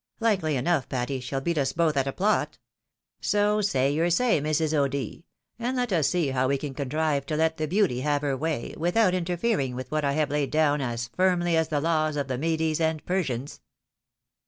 " Likely enough, Patty, she'U beat us both at a plot. So say your say, Mrs. O'D., and let us see how we can contrive to let the beauty have her way without interfering with what I have laid down as firmly as the laws of the Medes and Persians."